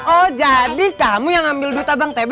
oh jadi kamu yang ambil duit abang tb